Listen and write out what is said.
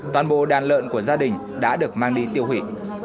toàn bộ đàn lợn của gia đình đã được mang đi tiêu hủy